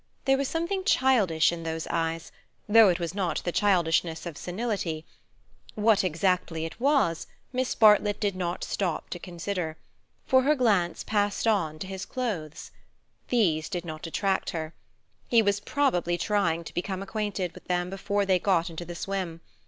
There was something childish in those eyes, though it was not the childishness of senility. What exactly it was Miss Bartlett did not stop to consider, for her glance passed on to his clothes. These did not attract her. He was probably trying to become acquainted with them before they got into the swim.